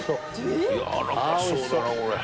軟らかそうだなこれ。